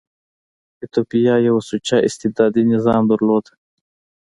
ایتوپیا یو سوچه استبدادي نظام درلود.